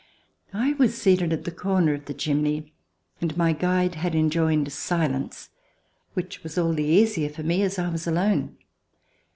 I was seated at the corner of the chimney, and my guide had enjoined silence, which was all the easier for me as I was alone.